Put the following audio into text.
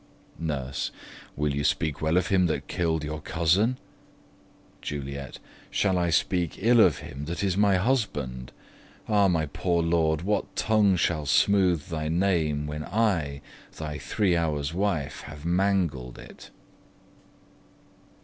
Nurse. Will you speak well of him that kill'd your cousin? Juliet. Shall I speak ill of him that is my husband? Ah my poor lord, what tongue shall smooth thy name, When I, thy three hours' wife, have mangled it?